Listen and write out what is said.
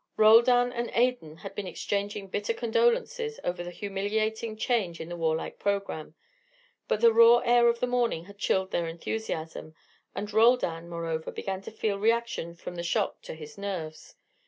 Roldan and Adan had been exchanging bitter condolences over the humiliating change in the warlike programme, but the raw air of the morning had chilled their enthusiasm, and Roldan, moreover, began to feel reaction from the shock to his nerves.